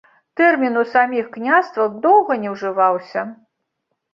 Тэрмін у саміх княствах доўга не ўжываўся.